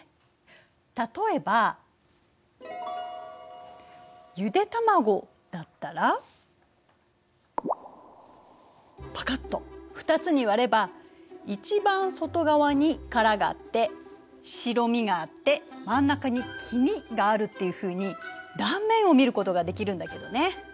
例えばゆで卵だったらパカッと２つに割れば一番外側に殻があって白身があって真ん中に黄身があるっていうふうに断面を見ることができるんだけどね。